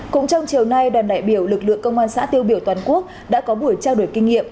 cũng trong chiều nay đoàn đại biểu lực lượng công an xã tiêu biểu toàn quốc đã có buổi trao đổi kinh nghiệm